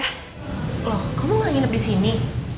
ah loh kamu gak nginep di sini